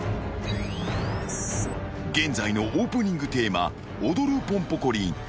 ［現在のオープニングテーマ『おどるポンポコリン』］